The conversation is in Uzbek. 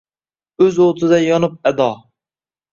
O’z o’tida yonib ado —